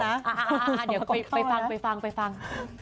อ่าเดี๋ยวไปฟัง